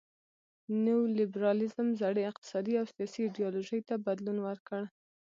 نیو لیبرالیزم زړې اقتصادي او سیاسي ایډیالوژۍ ته بدلون ورکړ.